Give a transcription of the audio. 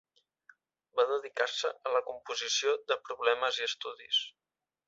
Va dedicar-se a la composició de problemes i estudis.